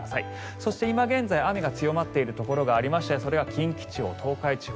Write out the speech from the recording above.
そして今現在雨が強まっているところがありまして近畿地方、東海地方。